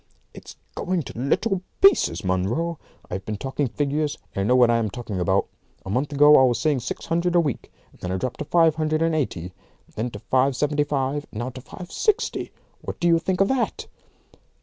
"It's going to little pieces, Munro. I've been taking figures, and I know what I am talking about. A month ago I was seeing six hundred a week. Then I dropped to five hundred and eighty; then to five seventy five; and now to five sixty. What do you think of that?"